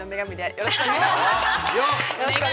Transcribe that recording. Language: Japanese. よろしくお願いします。